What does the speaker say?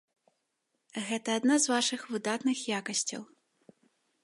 Гэта адна з вашых выдатных якасцяў.